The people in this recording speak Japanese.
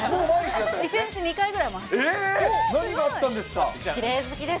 １日２回ぐらい回してます。